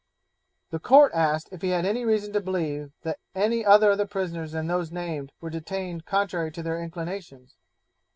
The Court asked if he had any reason to believe that any other of the prisoners than those named were detained contrary to their inclinations?